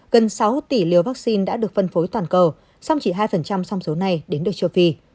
gần sáu tỷ liều vaccine đã được phân phối toàn cầu song chỉ hai trong số này đến được châu phi